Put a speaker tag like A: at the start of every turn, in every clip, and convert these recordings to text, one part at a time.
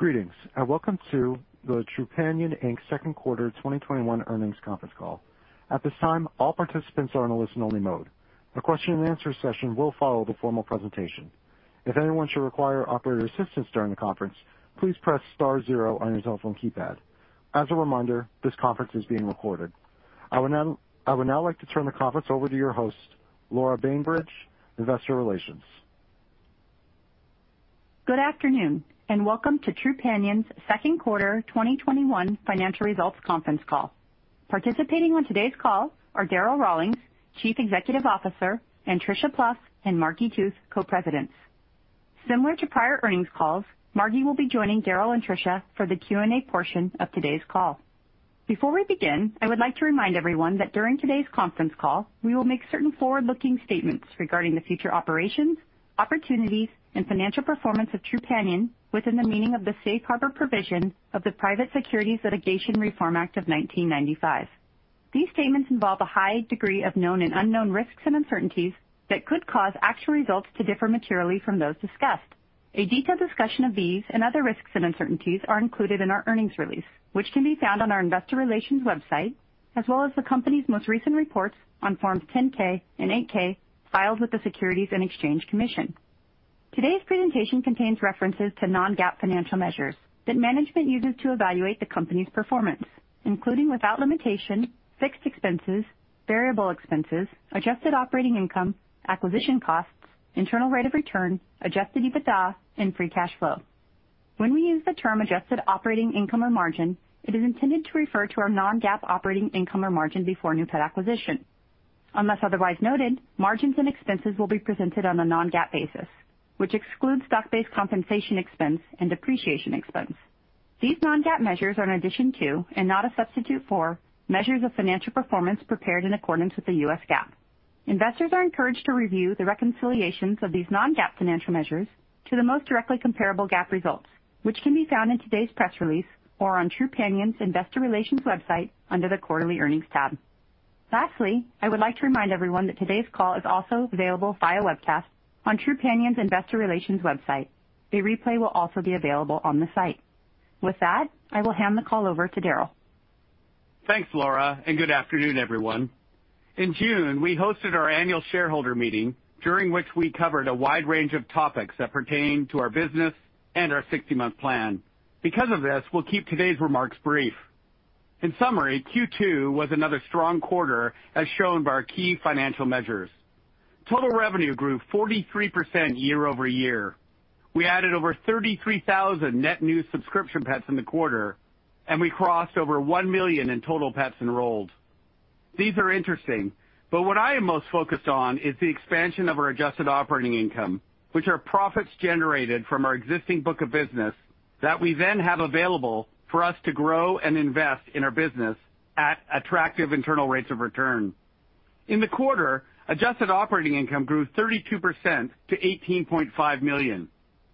A: Greetings, and welcome to the Trupanion Inc second quarter 2021 earnings conference call. At this time, all participants are on a listen-only mode. A question and answer session will follow the formal presentation. If anyone should require operator assistance during the conference, please press star zero on your telephone keypad. As a reminder, this conference is being recorded. I would now like to turn the conference over to your host, Laura Bainbridge, Investor Relations.
B: Good afternoon, welcome to Trupanion's second quarter 2021 financial results conference call. Participating on today's call are Darryl Rawlings, Chief Executive Officer, and Tricia Plouf and Margi Tooth, Co-Presidents. Similar to prior earnings calls, Margi will be joining Darryl and Tricia for the Q&A portion of today's call. Before we begin, I would like to remind everyone that during today's conference call, we will make certain forward-looking statements regarding the future operations, opportunities, and financial performance of Trupanion within the meaning of the Safe Harbor provision of the Private Securities Litigation Reform Act of 1995. These statements involve a high degree of known and unknown risks and uncertainties that could cause actual results to differ materially from those discussed. A detailed discussion of these and other risks and uncertainties are included in our earnings release, which can be found on our investor relations website, as well as the company's most recent reports on forms 10-K and 8-K, filed with the Securities and Exchange Commission. Today's presentation contains references to non-GAAP financial measures that management uses to evaluate the company's performance, including, without limitation, fixed expenses, variable expenses, adjusted operating income, acquisition costs, internal rate of return, adjusted EBITDA, and free cash flow. When we use the term adjusted operating income or margin, it is intended to refer to our non-GAAP operating income or margin before new pet acquisition. Unless otherwise noted, margins and expenses will be presented on a non-GAAP basis, which excludes stock-based compensation expense and depreciation expense. These non-GAAP measures are an addition to and not a substitute for measures of financial performance prepared in accordance with the U.S. GAAP. Investors are encouraged to review the reconciliations of these non-GAAP financial measures to the most directly comparable GAAP results, which can be found in today's press release or on Trupanion's investor relations website under the quarterly earnings tab. Lastly, I would like to remind everyone that today's call is also available via webcast on Trupanion's investor relations website. A replay will also be available on the site. With that, I will hand the call over to Darryl.
C: Thanks, Laura, and good afternoon, everyone. In June, we hosted our annual shareholder meeting, during which we covered a wide range of topics that pertain to our business and our 60-month plan. Because of this, we'll keep today's remarks brief. In summary, Q2 was another strong quarter as shown by our key financial measures. Total revenue grew 43% year-over-year. We added over 33,000 net new subscription pets in the quarter, and we crossed over 1 million in total pets enrolled. These are interesting, but what I am most focused on is the expansion of our Adjusted Operating Income, which are profits generated from our existing book of business that we then have available for us to grow and invest in our business at attractive internal rates of return. In the quarter, Adjusted Operating Income grew 32% to $18.5 million.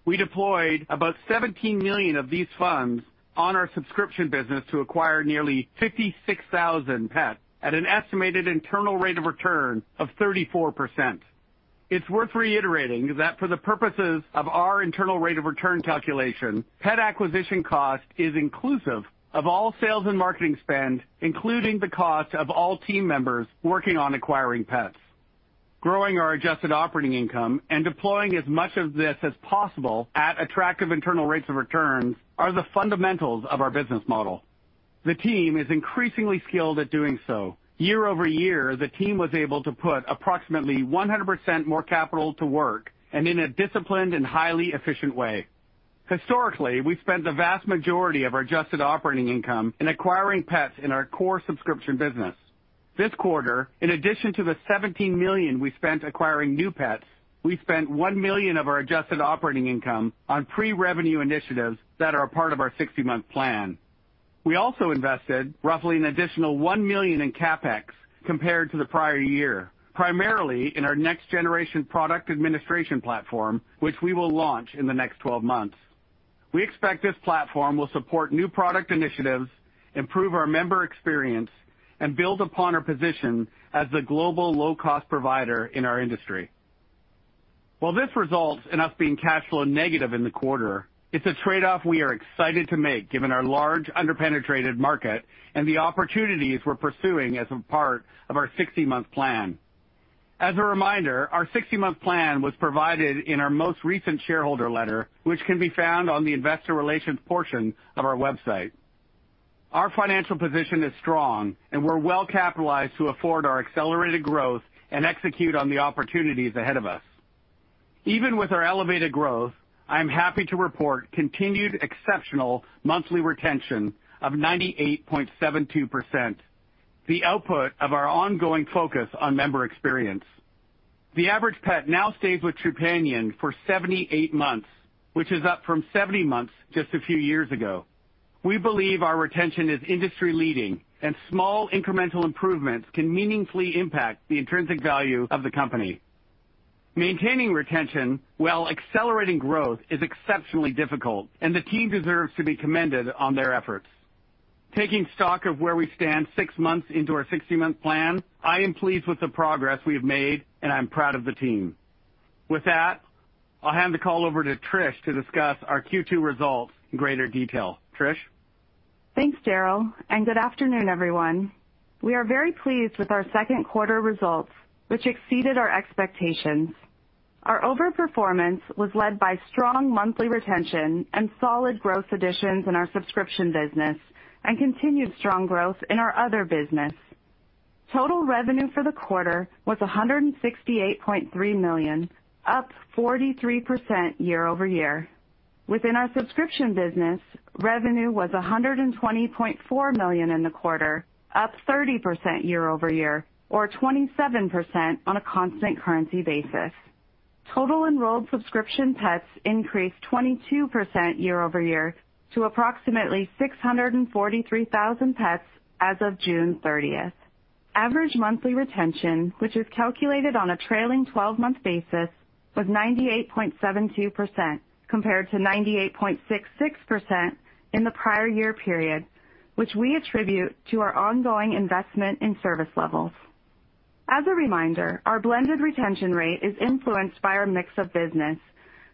C: We deployed about $17 million of these funds on our subscription business to acquire nearly 56,000 pets at an estimated internal rate of return of 34%. It's worth reiterating that for the purposes of our internal rate of return calculation, pet acquisition cost is inclusive of all sales and marketing spend, including the cost of all team members working on acquiring pets. Growing our Adjusted Operating Income and deploying as much of this as possible at attractive internal rates of returns are the fundamentals of our business model. The team is increasingly skilled at doing so. Year-over-year, the team was able to put approximately 100% more capital to work and in a disciplined and highly efficient way. Historically, we've spent the vast majority of our Adjusted Operating Income in acquiring pets in our core subscription business. This quarter, in addition to the $17 million we spent acquiring new pets, we spent $1 million of our Adjusted Operating Income on pre-revenue initiatives that are a part of our 60-month plan. We also invested roughly an additional $1 million in CapEx compared to the prior year, primarily in our next-generation product administration platform, which we will launch in the next 12 months. We expect this platform will support new product initiatives, improve our member experience, and build upon our position as the global low-cost provider in our industry. This results in us being cash flow negative in the quarter, it's a trade-off we are excited to make given our large under-penetrated market and the opportunities we're pursuing as a part of our 60-month plan. As a reminder, our 60-month plan was provided in our most recent shareholder letter, which can be found on the investor relations portion of our website. Our financial position is strong, and we're well capitalized to afford our accelerated growth and execute on the opportunities ahead of us. Even with our elevated growth, I am happy to report continued exceptional monthly retention of 98.72%, the output of our ongoing focus on member experience. The average pet now stays with Trupanion for 78 months, which is up from 70 months just a few years ago. We believe our retention is industry-leading, and small incremental improvements can meaningfully impact the intrinsic value of the company. Maintaining retention while accelerating growth is exceptionally difficult, and the team deserves to be commended on their efforts. Taking stock of where we stand six months into our 60-month plan, I am pleased with the progress we have made, and I'm proud of the team. With that, I'll hand the call over to Trish to discuss our Q2 results in greater detail. Trish?
D: Thanks, Darryl. Good afternoon, everyone. We are very pleased with our second quarter results, which exceeded our expectations. Our over-performance was led by strong monthly retention and solid growth additions in our subscription business and continued strong growth in our other business. Total revenue for the quarter was $168.3 million, up 43% year-over-year. Within our subscription business, revenue was $120.4 million in the quarter, up 30% year-over-year or 27% on a constant currency basis. Total enrolled subscription pets increased 22% year-over-year to approximately 643,000 pets as of June 30th. Average monthly retention, which is calculated on a trailing 12-month basis, was 98.72%, compared to 98.66% in the prior year period, which we attribute to our ongoing investment in service levels. As a reminder, our blended retention rate is influenced by our mix of business.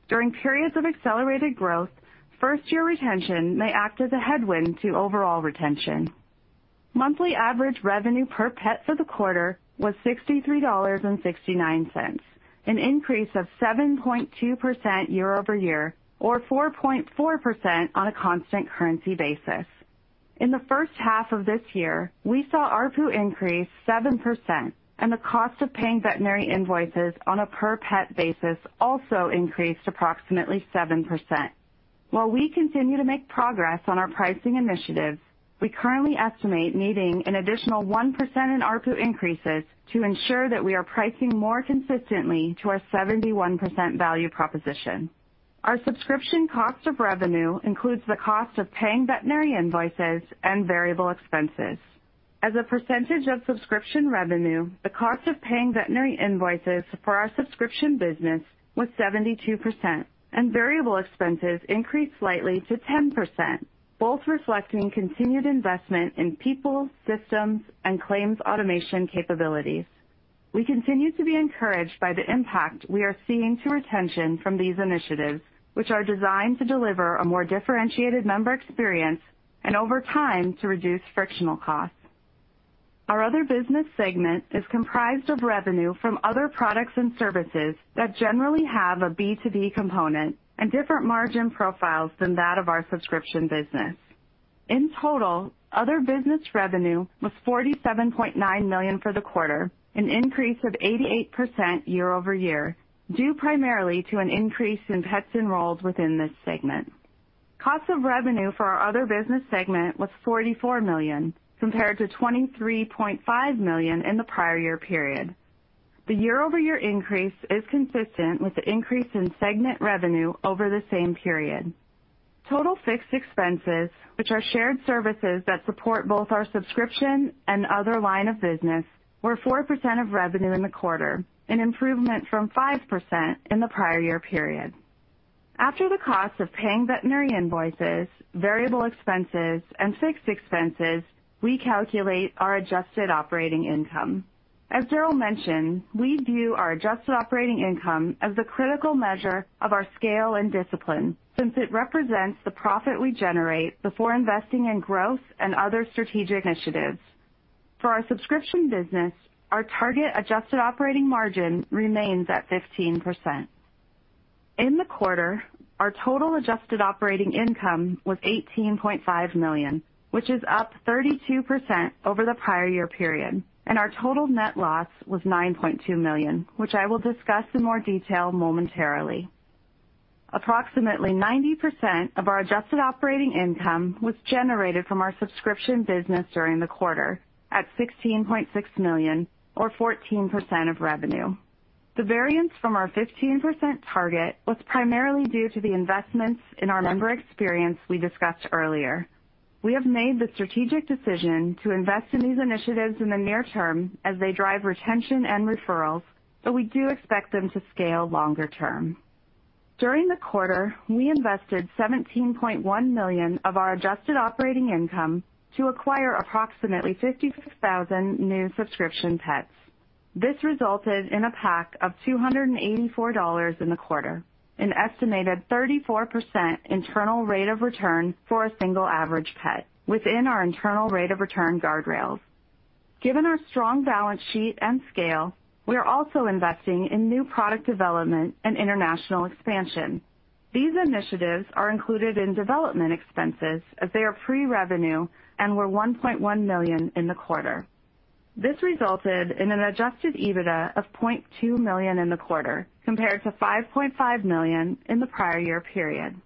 D: During periods of accelerated growth, first-year retention may act as a headwind to overall retention. Monthly average revenue per pet for the quarter was $63.69, an increase of 7.2% year-over-year or 4.4% on a constant currency basis. In the first half of this year, we saw ARPU increase 7%, and the cost of paying veterinary invoices on a per-pet basis also increased approximately 7%. While we continue to make progress on our pricing initiatives, we currently estimate needing an additional 1% in ARPU increases to ensure that we are pricing more consistently to our 71% value proposition. Our subscription cost of revenue includes the cost of paying veterinary invoices and variable expenses. As a percentage of subscription revenue, the cost of paying veterinary invoices for our subscription business was 72%, and variable expenses increased slightly to 10%, both reflecting continued investment in people, systems, and claims automation capabilities. We continue to be encouraged by the impact we are seeing to retention from these initiatives, which are designed to deliver a more differentiated member experience and over time, to reduce frictional costs. Our other business segment is comprised of revenue from other products and services that generally have a B2B component and different margin profiles than that of our subscription business. In total, other business revenue was $47.9 million for the quarter, an increase of 88% year-over-year, due primarily to an increase in pets enrolled within this segment. Cost of revenue for our other business segment was $44 million, compared to $23.5 million in the prior year period. The year-over-year increase is consistent with the increase in segment revenue over the same period. Total fixed expenses, which are shared services that support both our subscription and other line of business, were 4% of revenue in the quarter, an improvement from 5% in the prior year period. After the cost of paying veterinary invoices, variable expenses, and fixed expenses, we calculate our Adjusted Operating Income. As Darryl mentioned, we view our Adjusted Operating Income as the critical measure of our scale and discipline since it represents the profit we generate before investing in growth and other strategic initiatives. For our subscription business, our target Adjusted Operating Margin remains at 15%. In the quarter, our total Adjusted Operating Income was $18.5 million, which is up 32% over the prior year period, and our total net loss was $9.2 million, which I will discuss in more detail momentarily. Approximately 90% of our Adjusted Operating Income was generated from our subscription business during the quarter at $16.6 million or 14% of revenue. The variance from our 15% target was primarily due to the investments in our member experience we discussed earlier. We have made the strategic decision to invest in these initiatives in the near term as they drive retention and referrals, but we do expect them to scale longer term. During the quarter, we invested $17.1 million of our Adjusted Operating Income to acquire approximately 56,000 new subscription pets. This resulted in a PAC of $284 in the quarter, an estimated 34% internal rate of return for a single average pet within our internal rate of return guardrails. Given our strong balance sheet and scale, we are also investing in new product development and international expansion. These initiatives are included in development expenses as they are pre-revenue and were $1.1 million in the quarter. This resulted in an adjusted EBITDA of $0.2 million in the quarter, compared to $5.5 million in the prior year period.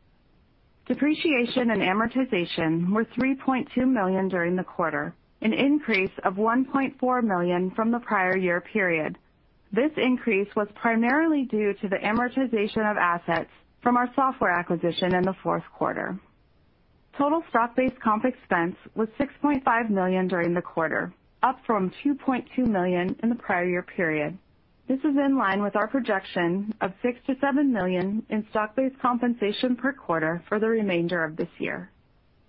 D: Depreciation and amortization were $3.2 million during the quarter, an increase of $1.4 million from the prior year period. This increase was primarily due to the amortization of assets from our software acquisition in the fourth quarter. Total stock-based comp expense was $6.5 million during the quarter, up from $2.2 million in the prior year period. This is in line with our projection of $6 million-$7 million in stock-based compensation per quarter for the remainder of this year.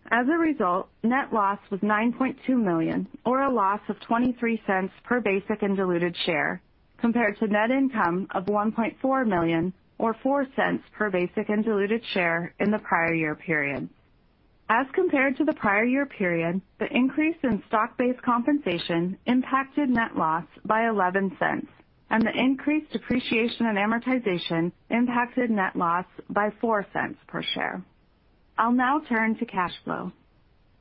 D: As a result, net loss was $9.2 million, or a loss of $0.23 per basic and diluted share, compared to net income of $1.4 million or $0.04 per basic and diluted share in the prior year period. As compared to the prior year period, the increase in stock-based compensation impacted net loss by $0.11, and the increased depreciation and amortization impacted net loss by $0.04 per share. I'll now turn to cash flow.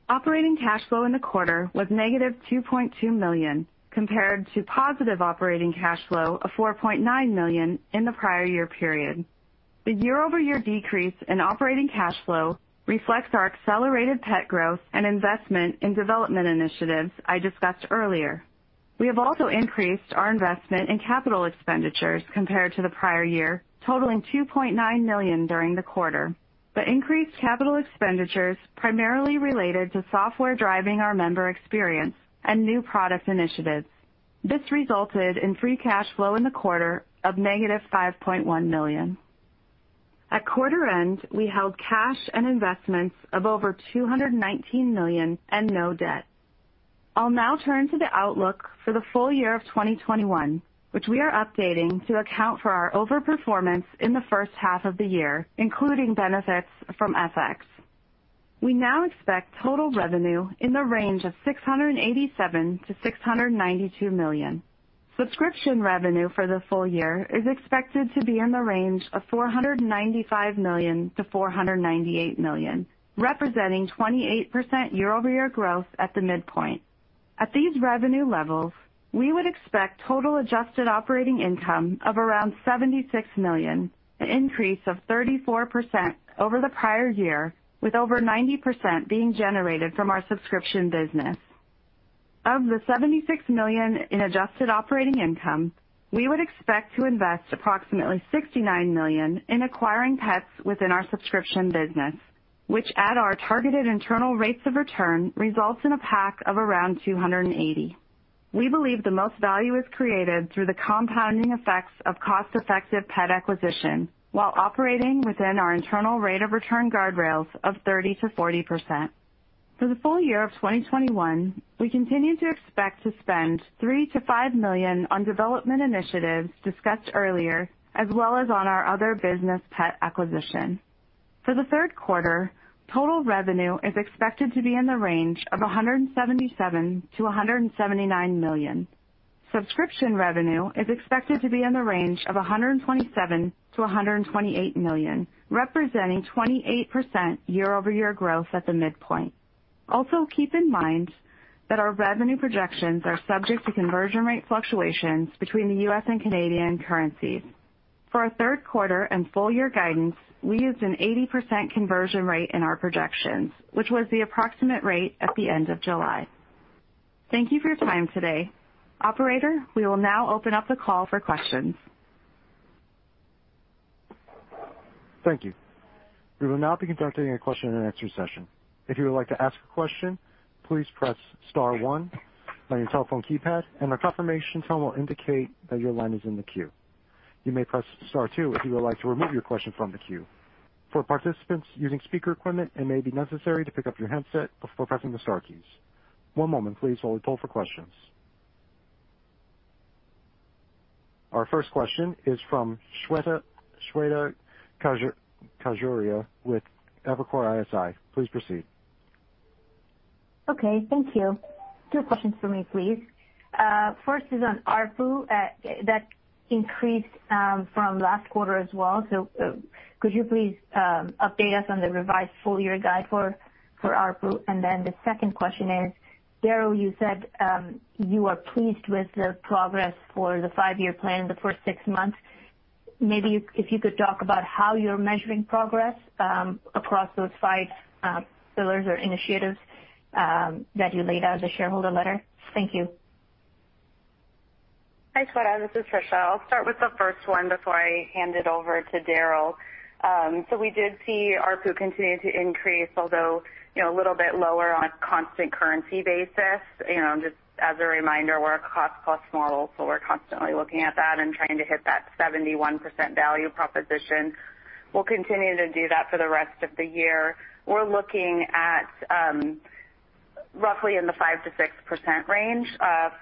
D: Operating cash flow in the quarter was negative $2.2 million compared to positive operating cash flow of $4.9 million in the prior year period. The year-over-year decrease in operating cash flow reflects our accelerated pet growth and investment in development initiatives I discussed earlier. We have also increased our investment in capital expenditures compared to the prior year, totaling $2.9 million during the quarter. The increased capital expenditures primarily related to software driving our member experience and new product initiatives. This resulted in free cash flow in the quarter of negative $5.1 million. At quarter end, we held cash and investments of over $219 million and no debt. I'll now turn to the outlook for the full year of 2021, which we are updating to account for our over-performance in the first half of the year, including benefits from FX. We now expect total revenue in the range of $687 million-$692 million. Subscription revenue for the full year is expected to be in the range of $495 million-$498 million, representing 28% year-over-year growth at the midpoint. At these revenue levels, we would expect total Adjusted Operating Income of around $76 million, an increase of 34% over the prior year, with over 90% being generated from our subscription business. Of the $76 million in Adjusted Operating Income, we would expect to invest approximately $69 million in acquiring pets within our subscription business, which at our targeted internal rates of return, results in a PAC of around 280. We believe the most value is created through the compounding effects of cost-effective pet acquisition while operating within our internal rate of return guardrails of 30%-40%. For the full year of 2021, we continue to expect to spend $3 million-$5 million on development initiatives discussed earlier, as well as on our other business pet acquisition. For the third quarter, total revenue is expected to be in the range of $177 million-$179 million. Subscription revenue is expected to be in the range of $127 million-$128 million, representing 28% year-over-year growth at the midpoint. Also, keep in mind that our revenue projections are subject to conversion rate fluctuations between the U.S. and Canadian currencies. For our third quarter and full year guidance, we used an 80% conversion rate in our projections, which was the approximate rate at the end of July. Thank you for your time today. Operator, we will now open up the call for questions.
A: Thank you. We will now be conducting a question and answer session. If you would like to ask a question, please press star one on your telephone keypad and a confirmation tone will indicate that your line is in the queue. You may press star two if you would like to remove your question from the queue. For participants using speaker equipment, it may be necessary to pick up your handset before pressing the star keys. One moment please while we poll for questions. Our first question is from Shweta Khajuria with Evercore ISI. Please proceed.
E: Okay, thank you. Two questions for me, please. First is on ARPU. That increased from last quarter as well. Could you please update us on the revised full year guide for ARPU? The second question is, Darryl, you said you are pleased with the progress for the five-year plan the first six months. Maybe if you could talk about how you're measuring progress across those five pillars or initiatives that you laid out in the shareholder letter. Thank you.
D: Hi, Shweta. This is Tricia. I'll start with the first one before I hand it over to Darryl. We did see ARPU continue to increase, although a little bit lower on a constant currency basis. Just as a reminder, we're a cost-plus model, so we're constantly looking at that and trying to hit that 71% value proposition. We'll continue to do that for the rest of the year. We're looking at roughly in the 5%-6% range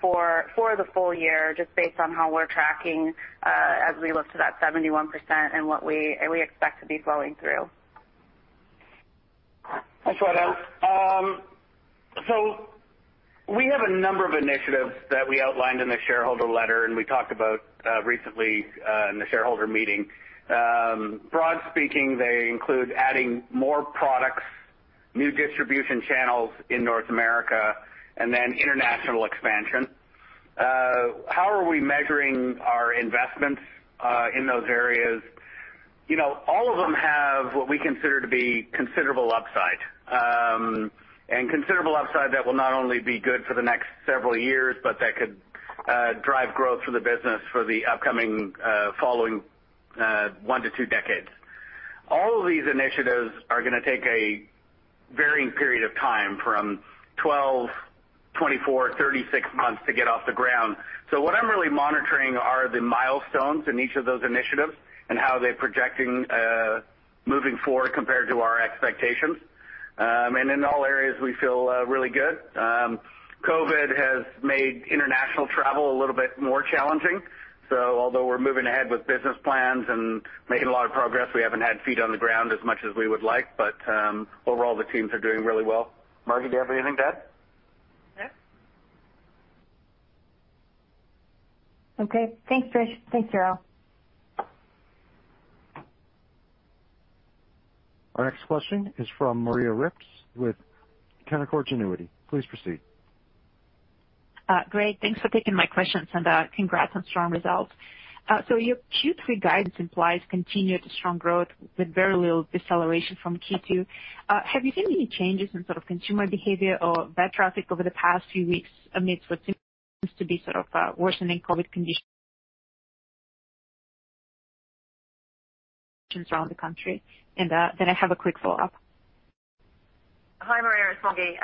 D: for the full year, just based on how we're tracking as we look to that 71% and what we expect to be flowing through.
C: Hi, Shweta. We have a number of initiatives that we outlined in the shareholder letter and we talked about recently in the shareholder meeting. Broadly speaking, they include adding more products, new distribution channels in North America, and then international expansion. How are we measuring our investments in those areas? All of them have what we consider to be considerable upside. Considerable upside that will not only be good for the next several years, but that could drive growth for the business for the upcoming following one to two decades. All of these initiatives are going to take a varying period of time from 12, 24, 36 months to get off the ground. What I'm really monitoring are the milestones in each of those initiatives and how they're projecting moving forward compared to our expectations. In all areas, we feel really good. COVID has made international travel a little bit more challenging. Although we're moving ahead with business plans and making a lot of progress, we haven't had feet on the ground as much as we would like. Overall, the teams are doing really well. Margi, do you have anything to add?
F: No.
E: Okay. Thanks, Trish. Thanks, Darryl.
A: Our next question is from Maria Ripps with Canaccord Genuity. Please proceed.
G: Great. Thanks for taking my questions, and congrats on strong results. Your Q3 guidance implies continued strong growth with very little deceleration from Q2. Have you seen any changes in consumer behavior or vet traffic over the past few weeks amidst what seems to be worsening COVID conditions around the country? I have a quick follow-up.
F: Hi, Maria. It's Margi.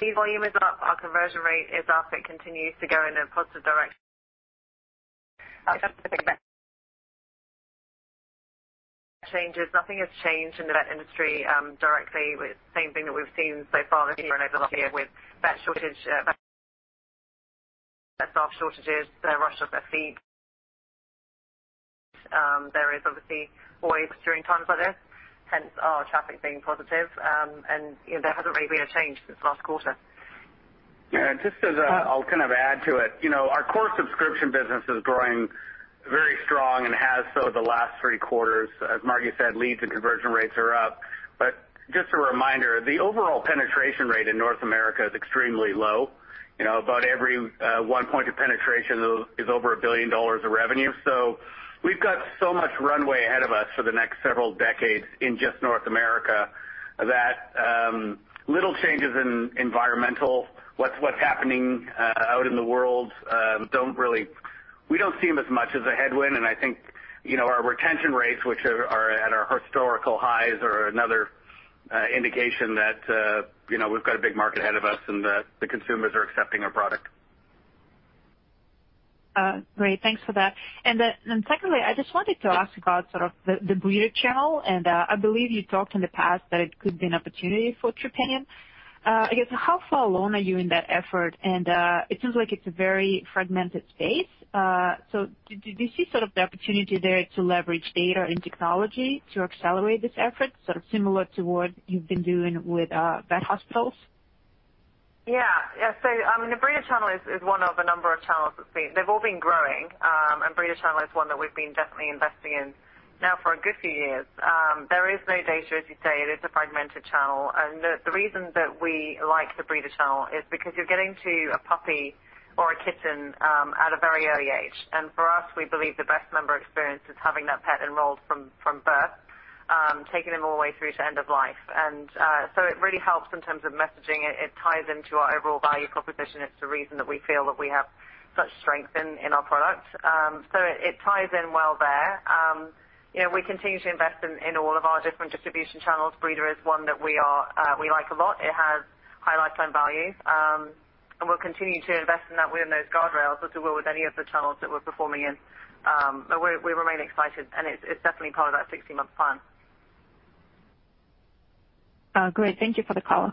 F: Lead volume is up, our conversion rate is up. It continues to go in a positive direction. In terms of vet changes, nothing has changed in the vet industry directly with the same thing that we've seen so far this year and over the last year with vet staff shortages, they rush of their fees. There is obviously always during times like this, hence our traffic being positive. There hasn't really been a change since last quarter.
C: Yeah. Just as I'll add to it, our core subscription business is growing very strong and has so the last three quarters. As Margi said, leads and conversion rates are up. Just a reminder, the overall penetration rate in North America is extremely low. About every one point of penetration is over $1 billion of revenue. We've got so much runway ahead of us for the next several decades in just North America that little changes in environmental, what's happening out in the world, we don't see them as much as a headwind. I think our retention rates, which are at our historical highs, are another indication that we've got a big market ahead of us and that the consumers are accepting our product.
G: Great. Thanks for that. Then secondly, I just wanted to ask about the breeder channel, and I believe you talked in the past that it could be an opportunity for Trupanion. I guess how far along are you in that effort? It seems like it's a very fragmented space. Do you see the opportunity there to leverage data and technology to accelerate this effort, similar to what you've been doing with vet hospitals?
F: Yeah. The breeder channel is one of a number of channels that they've all been growing. The breeder channel is one that we've been definitely investing in now for a good few years. There is no data, as you say, it is a fragmented channel. The reason that we like the breeder channel is because you're getting to a puppy or a kitten at a very early age. For us, we believe the best member experience is having that pet enrolled from birth, taking them all the way through to end of life. It really helps in terms of messaging. It ties into our overall value proposition. It's the reason that we feel that we have such strength in our product. It ties in well there. We continue to invest in all of our different distribution channels. Breeder is one that we like a lot. It has high lifetime value. We'll continue to invest in that within those guardrails as we will with any of the channels that we're performing in. We remain excited, and it's definitely part of that 60-month Plan.
G: Great. Thank you for the color.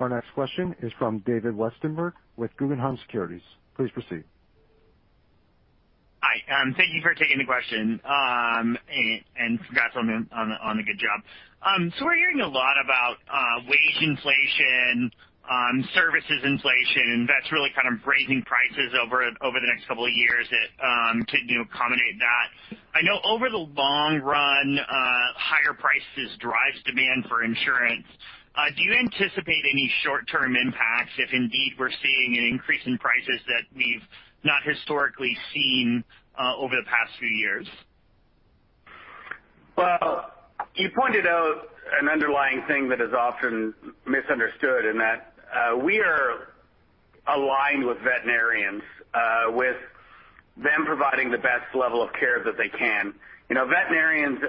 A: Our next question is from David Westenberg with Guggenheim Securities. Please proceed.
H: Hi, thank you for taking the question, and congrats on the good job. We're hearing a lot about wage inflation, services inflation, vets really raising prices over the next couple of years to accommodate that. I know over the long run, higher prices drives demand for insurance. Do you anticipate any short-term impacts if indeed we're seeing an increase in prices that we've not historically seen over the past few years?
C: Well, you pointed out an underlying thing that is often misunderstood, and that we are aligned with veterinarians, with them providing the best level of care that they can. Veterinarians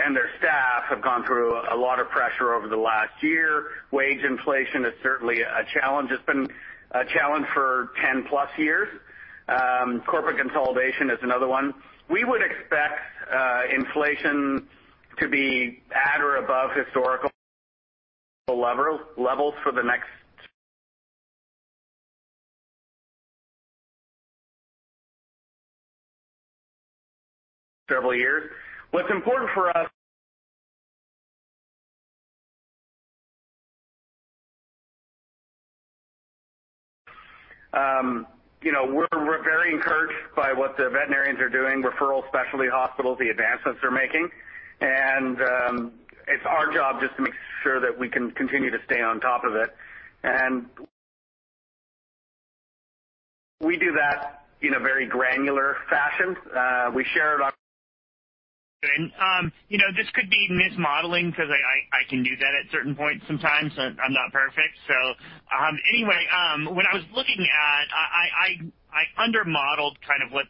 C: and their staff have gone through a lot of pressure over the last year. Wage inflation is certainly a challenge. It's been a challenge for 10-plus years. Corporate consolidation is another one. We would expect inflation to be at or above historical levels for the next several years. What's important for us, we're very encouraged by what the veterinarians are doing, referral specialty hospitals, the advancements they're making, and it's our job just to make sure that we can continue to stay on top of it. We do that in a very granular fashion. We share it on.
H: You know, this could be mismodeling because I can do that at certain points sometimes. I'm not perfect. Anyway, when I was looking at, I under-modeled kind of what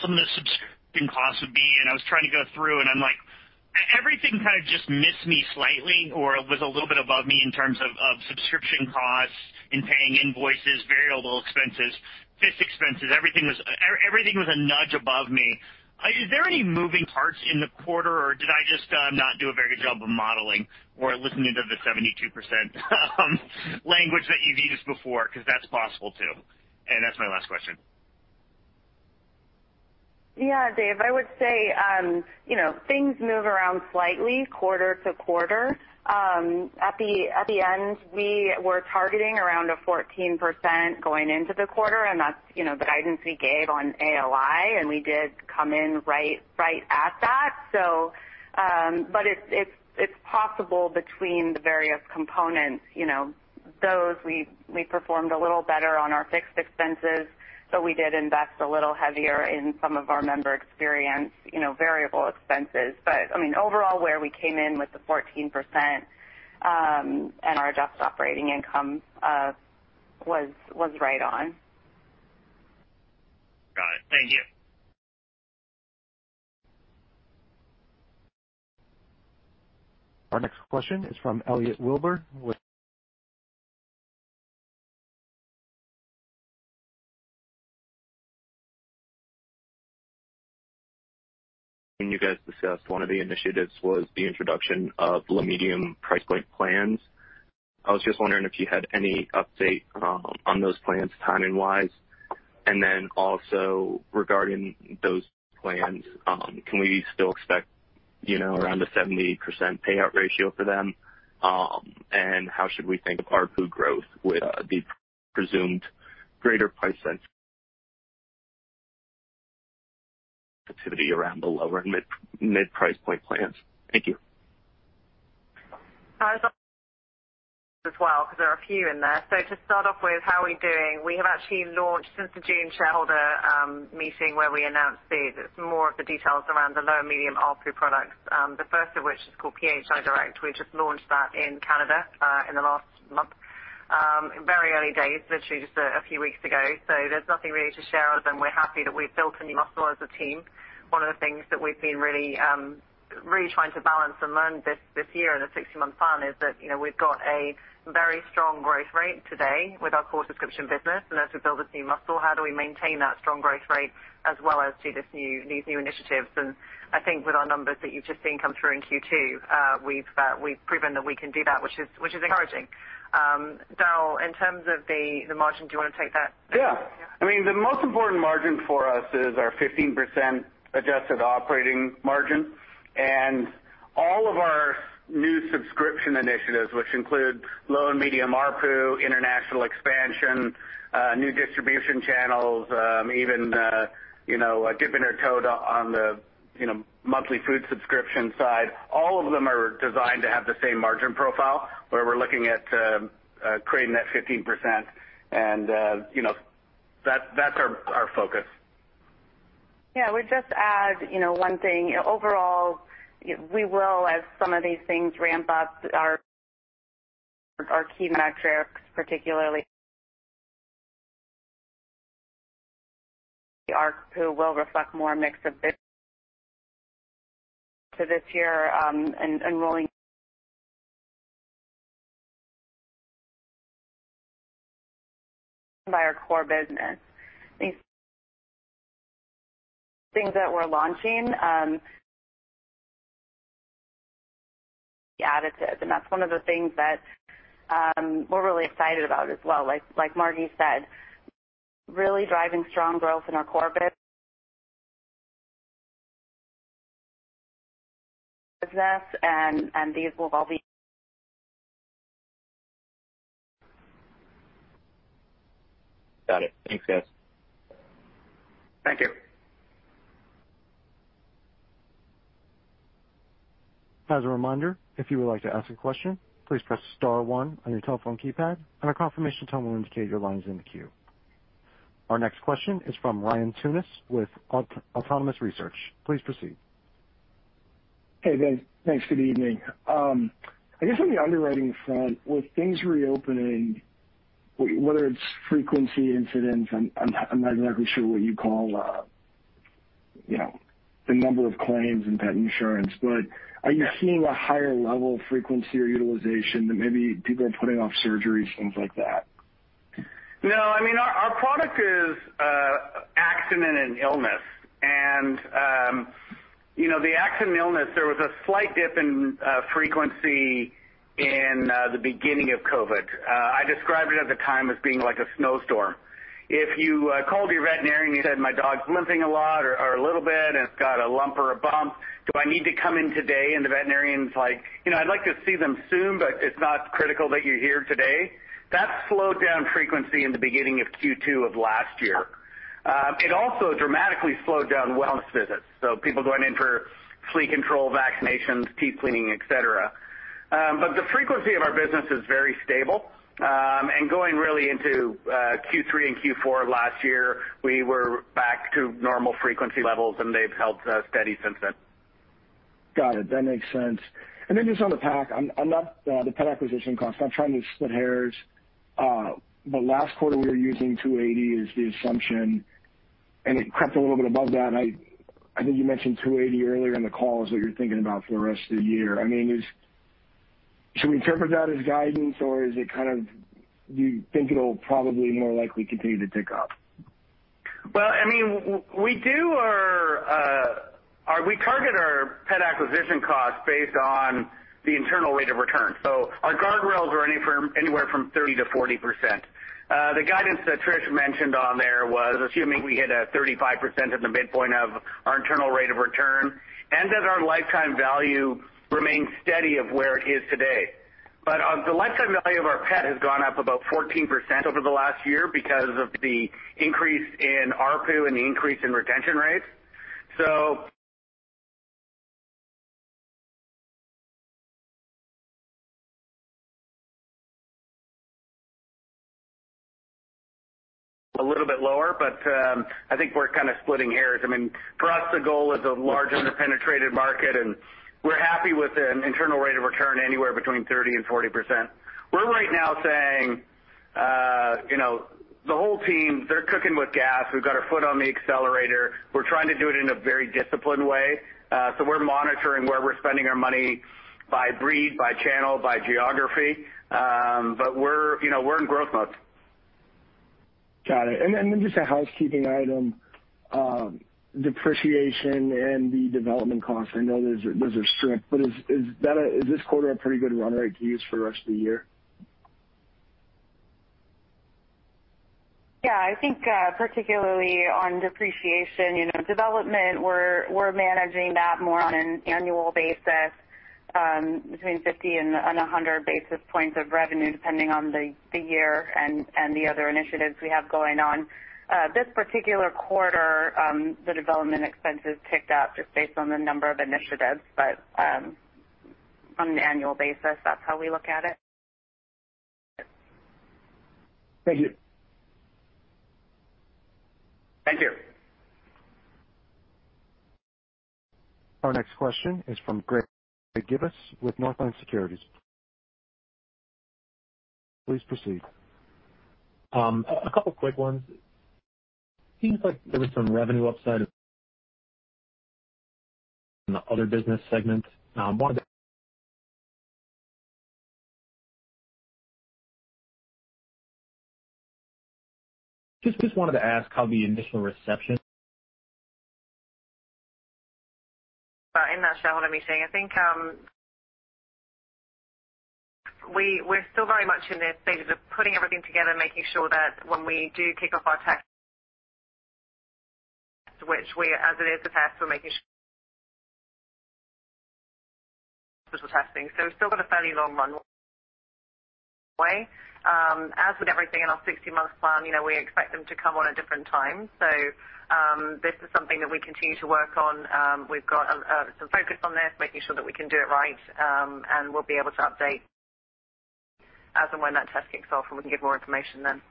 H: some of the subscription costs would be, and I was trying to go through, and I'm like, everything kind of just missed me slightly or was a little bit above me in terms of subscription costs, in paying invoices, variable expenses, fixed expenses. Everything was a nudge above me. Is there any moving parts in the quarter, or did I just not do a very good job of modeling or listening to the 72% language that you've used before? That's possible, too. That's my last question.
D: Yeah, Dave, I would say things move around slightly quarter-to-quarter. At the end, we were targeting around a 14% going into the quarter, and that's the guidance we gave on AOI, and we did come in right at that. It's possible between the various components. Those we performed a little better on our fixed expenses, so we did invest a little heavier in some of our member experience variable expenses. Overall, where we came in with the 14% and our Adjusted Operating Income was right on.
H: Got it. Thank you.
A: Our next question is from Elliot Wilbur with-
I: ...when you guys discussed one of the initiatives was the introduction of low-medium price point plans. I was just wondering if you had any update on those plans timing-wise, and then also regarding those plans, can we still expect around a 70% payout ratio for them? How should we think of ARPU growth with the presumed greater price sensitivity around the lower and mid-price point plans? Thank you.
F: As well, because there are a few in there. To start off with how we're doing, we have actually launched since the June shareholder meeting where we announced these. It's more of the details around the low and medium ARPU products, the first of which is called PHI Direct. We just launched that in Canada in the last month. Very early days, literally just a few weeks ago. There's nothing really to share other than we're happy that we've built a new muscle as a team. One of the things that we've been really trying to balance and learn this year in the 16-month plan is that we've got a very strong growth rate today with our core subscription business, and as we build this new muscle, how do we maintain that strong growth rate as well as do these new initiatives? I think with our numbers that you've just seen come through in Q2, we've proven that we can do that, which is encouraging. Darryl, in terms of the margin, do you want to take that?
C: Yeah. The most important margin for us is our 15% adjusted operating margin. All of our new subscription initiatives, which include low and medium ARPU, international expansion, new distribution channels, even dipping our toe on the monthly food subscription side, all of them are designed to have the same margin profile where we're looking at creating that 15%. That's our focus.
D: I would just add one thing. Overall, we will, as some of these things ramp up, our key metrics, particularly the ARPU, will reflect more mix of business. This year, and rolling by our core business. These things that we're launching be additive, and that's one of the things that we're really excited about as well. Like Margi said, really driving strong growth in our core business.
I: Got it. Thanks, guys.
C: Thank you.
A: As a reminder, if you would like to ask a question, please press star one on your telephone keypad. A confirmation tone will indicate your line is in the queue. Our next question is from Ryan Tunis with Autonomous Research. Please proceed.
J: Hey, guys. Thanks. Good evening. I guess on the underwriting front, with things reopening, whether it's frequency incidents, I'm not exactly sure what you call the number of claims in pet insurance, but are you seeing a higher level of frequency or utilization that maybe people are putting off surgeries, things like that?
C: No, our product is accident and illness. The accident and illness, there was a slight dip in frequency in the beginning of COVID. I described it at the time as being like a snowstorm. If you called your veterinarian, you said, "My dog's limping a lot or a little bit, and it's got a lump or a bump. Do I need to come in today?" The veterinarian's like, "I'd like to see them soon, but it's not critical that you're here today." That slowed down frequency in the beginning of Q2 of last year. It also dramatically slowed down wellness visits, people going in for flea control, vaccinations, teeth cleaning, et cetera. The frequency of our business is very stable. Going really into Q3 and Q4 last year, we were back to normal frequency levels, and they've held steady since then.
J: Got it. That makes sense. Then just on the PAC, on the pet acquisition cost, I'm trying to split hairs. Last quarter, we were using $280 as the assumption, and it crept a little bit above that. I think you mentioned $280 earlier in the call is what you're thinking about for the rest of the year. Should we interpret that as guidance, or do you think it'll probably more likely continue to tick up?
C: We target our pet acquisition costs based on the internal rate of return. Our guardrails are anywhere from 30%-40%. The guidance that Trish mentioned on there was assuming we hit a 35% at the midpoint of our internal rate of return and that our lifetime value remains steady of where it is today. The lifetime value of our pet has gone up about 14% over the last year because of the increase in ARPU and the increase in retention rates. A little bit lower, I think we're kind of splitting hairs. For us, the goal is a large under-penetrated market, and we're happy with an internal rate of return anywhere between 30% and 40%. We're right now saying the whole team, they're cooking with gas. We've got our foot on the accelerator. We're trying to do it in a very disciplined way. We're monitoring where we're spending our money by breed, by channel, by geography. We're in growth mode.
J: Got it. Just a housekeeping item, depreciation and the development costs, I know those are stripped, but is this quarter a pretty good run rate to use for the rest of the year?
D: I think particularly on depreciation, development, we're managing that more on an annual basis between 50 and 100 basis points of revenue, depending on the year and the other initiatives we have going on. This particular quarter, the development expenses ticked up just based on the number of initiatives, on an annual basis, that's how we look at it.
J: Thank you.
C: Thank you.
A: Our next question is from Greg Gibas with Northland Securities. Please proceed.
K: A couple quick ones. Seems like there was some revenue upside in the other business segments.
F: In that shareholder meeting, I think we're still very much in the stages of putting everything together, making sure that when we do kick off our test, which we, as it is a test, we're making sure digital testing. We've still got a fairly long runway. As with everything in our 60-month plan, we expect them to come on at different times. This is something that we continue to work on. We've got some focus on this, making sure that we can do it right, and we'll be able to update as and when that testing kicks off, and we can give more information then.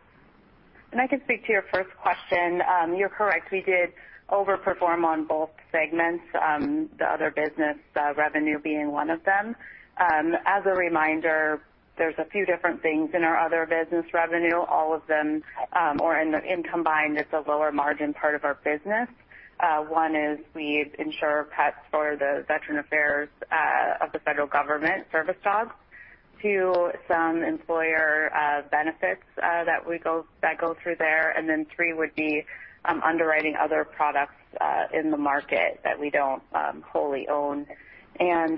D: I can speak to your first question. You're correct. We did over-perform on both segments, the other business revenue being one of them. As a reminder, there's a few different things in our other business revenue, all of them, or in combined, it's a lower margin part of our business. One is we insure pets for the Veterans Affairs of the federal government service dogs to some employer benefits that go through there. Three would be underwriting other products in the market that we don't wholly own.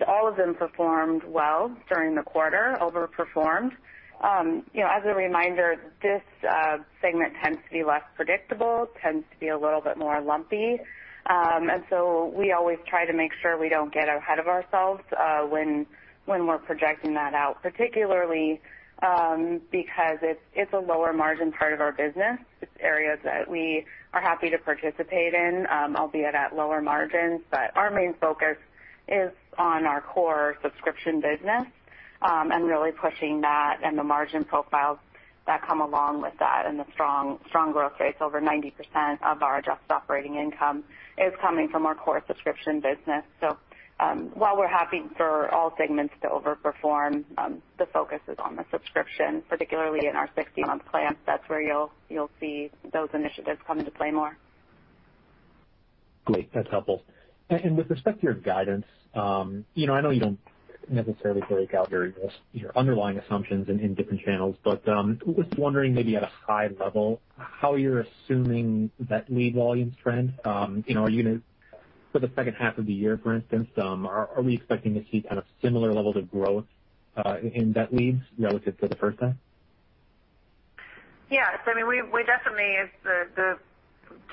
D: All of them performed well during the quarter, over-performed. As a reminder, this segment tends to be less predictable, tends to be a little bit more lumpy. We always try to make sure we don't get ahead of ourselves when we're projecting that out, particularly because it's a lower margin part of our business. It's areas that we are happy to participate in, albeit at lower margins. Our main focus is on our core subscription business and really pushing that and the margin profiles that come along with that and the strong growth rates. Over 90% of our Adjusted Operating Income is coming from our core subscription business. While we're happy for all segments to over-perform, the focus is on the subscription, particularly in our 60-month Plans. That's where you'll see those initiatives come into play more.
K: Great. That's helpful. With respect to your guidance, I know you don't necessarily break out your underlying assumptions in different channels, but just wondering maybe at a high level how you're assuming vet lead volumes trend. For the second half of the year, for instance, are we expecting to see kind of similar levels of growth in vet leads relative to the first half?
F: Yes. We definitely, as the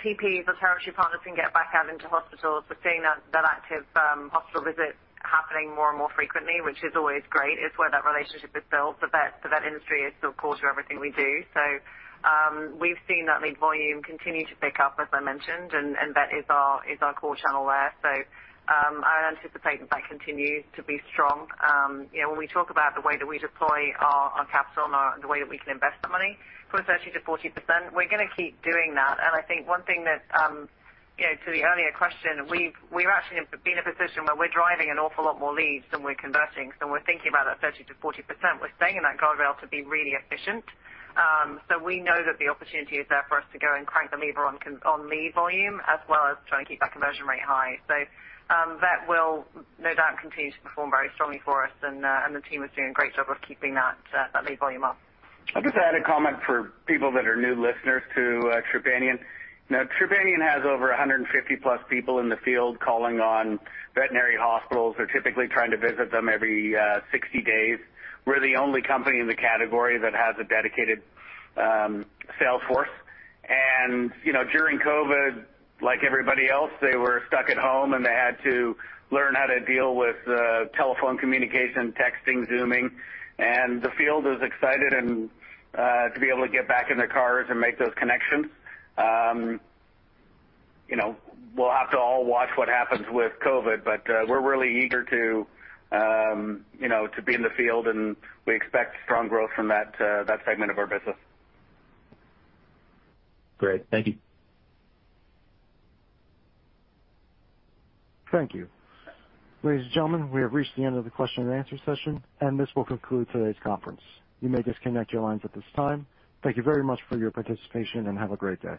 F: TPs, the Territory Partners, can get back out into hospitals. We're seeing that active hospital visit happening more and more frequently, which is always great. It's where that relationship is built. The vet industry is still core to everything we do. We've seen that lead volume continue to pick up, as I mentioned, and that is our core channel there. I anticipate that continues to be strong. When we talk about the way that we deploy our capital and the way that we can invest the money from 30%-40%, we're going to keep doing that. I think one thing that, to the earlier question, we're actually in a position where we're driving an awful lot more leads than we're converting. When we're thinking about that 30%-40%, we're staying in that guardrail to be really efficient. We know that the opportunity is there for us to go and crank the lever on lead volume as well as trying to keep that conversion rate high. That will no doubt continue to perform very strongly for us, and the team is doing a great job of keeping that lead volume up.
C: I'll just add a comment for people that are new listeners to Trupanion. Trupanion has over 150-plus people in the field calling on veterinary hospitals. They're typically trying to visit them every 60 days. We're the only company in the category that has a dedicated sales force. During COVID, like everybody else, they were stuck at home, and they had to learn how to deal with telephone communication, texting, Zooming. The field is excited to be able to get back in their cars and make those connections. We'll have to all watch what happens with COVID, we're really eager to be in the field, and we expect strong growth from that segment of our business.
K: Great. Thank you.
A: Thank you. Ladies and gentlemen, we have reached the end of the question-and-answer session, and this will conclude today's conference. You may disconnect your lines at this time. Thank you very much for your participation and have a great day.